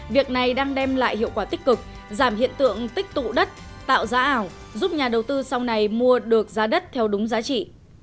việc này đang đem lại hiệu quả tích cực giảm hiện tượng tích tụ đất tạo giá ảo giúp nhà đầu tư sau này mua được giá đất theo đúng giá trị